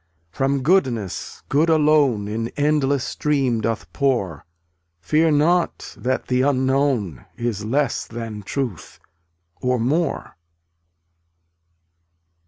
From Goodness Good alone In endless stream doth pour; Fear not that the Unknown Is less than truth, or more.